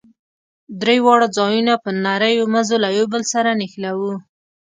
درې واړه ځايونه په نريو مزو له يو بل سره نښلوو.